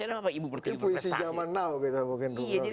itu puisi zaman now gitu mungkin